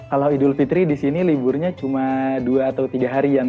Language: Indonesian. kalau idul fitri di sini liburnya cuma dua atau tiga harian